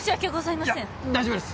いや大丈夫です